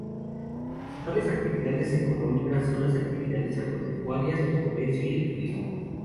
Las principales actividades económicas son las actividades agropecuarias, el comercio y el turismo.